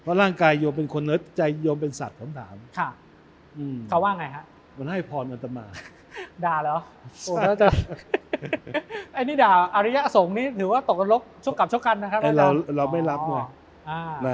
เพราะร่างกายโยมเป็นคนในใจโยมเป็นสัตว์ข้อมูลถามค่ะ